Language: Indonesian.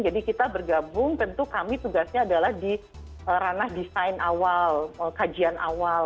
jadi kita bergabung tentu kami tugasnya adalah di ranah desain awal kajian awal